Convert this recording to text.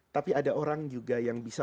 tapi ada orang juga yang bisa